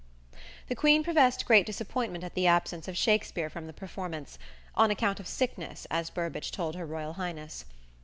The Queen professed great disappointment at the absence of Shakspere from the performance "on account of sickness," as Burbage told her Royal Highness.